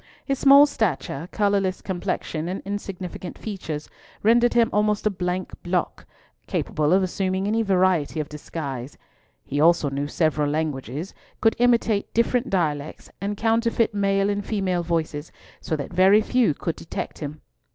His small stature, colourless complexion, and insignificant features, rendered him almost a blank block, capable of assuming any variety of disguise. He also knew several languages, could imitate different dialects, and counterfeit male and female voices so that very few could detect him.